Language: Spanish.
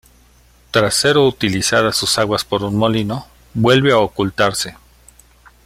Tras ser utilizadas sus aguas por un molino, vuelve a ocultarse.